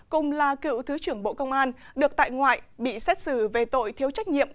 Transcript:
cùng là cựu thứ trưởng bộ công an được tại ngoại bị xét xử về tội thiếu trách nhiệm